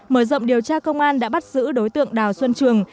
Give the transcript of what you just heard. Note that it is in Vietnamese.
mở rộng điều tra công an đã bắt giữ đối tượng đào xuân trường